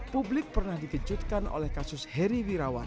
publik pernah dikejutkan oleh kasus heri wirawan